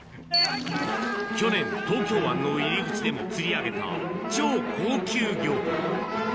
去年、東京湾の入り口でも釣り上げた超高級魚。